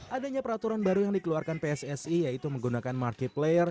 adanya peraturan baru yang dikeluarkan pssi yaitu menggunakan markiplayer